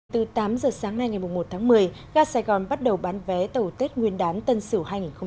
từ tám giờ sáng nay ngày một tháng một mươi gà sài gòn bắt đầu bán vé tàu tết nguyên đán tân sửu hai nghìn hai mươi một